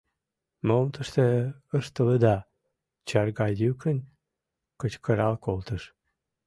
Мом тыште ыштылыда?!– чарга йӱкын кычкырал колтыш.